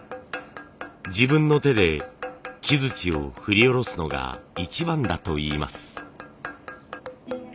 自分の手で木づちを振り下ろすのが一番だといいます。